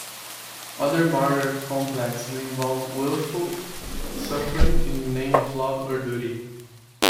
Other martyr complexes involve willful suffering in the name of love or duty.